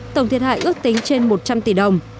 tổng thiệt hại ước tính trên một trăm linh tỷ đồng